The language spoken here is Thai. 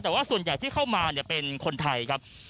แต่ว่าส่วนใหญ่ที่เข้ามาเป็นคนไทยครับ